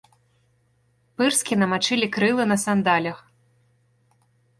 Пырскі намачылі крылы на сандалях.